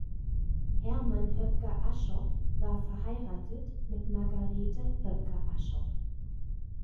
Hermann Höpker-Aschoff war verheiratet mit Margarete Höpker-Aschoff.